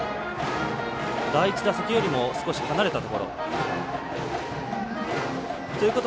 第１打席よりも少し離れたところ。